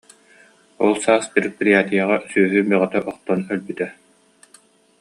Ол саас предприятиеҕа сүөһү бөҕө охтон өлбүтэ